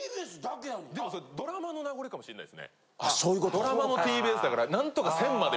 ドラマのＴＢＳだから何とか。